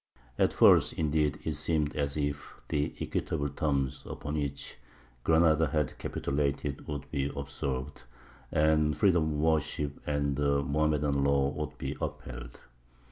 At first, indeed, it seemed as if the equitable terms upon which Granada had capitulated would be observed, and freedom of worship and the Mohammedan law would be upheld.